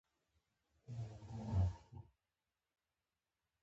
ما ورته وویل: هغه لویه او پنډه ښځه.